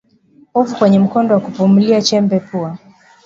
Povu kwenye mkondo wa kupumulia chembe pua